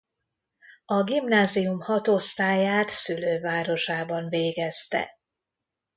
A gimnázium hat osztályát szülővárosában végezte.